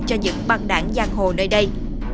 cho những băng đảng giang hồ nơi đây